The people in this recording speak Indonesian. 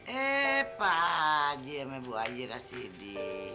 eh pak haji dan ibu haji rasidi